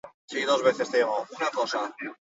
Ohialari kiratsa zerion.